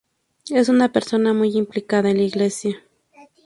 Es una persona muy implicada en la iglesia.